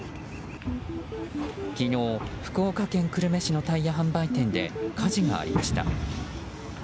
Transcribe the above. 昨日、福岡県久留米市のタイヤ販売店で火事がありました。